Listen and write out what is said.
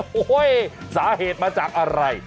โอ้โหสาเหตุมาจากอะไร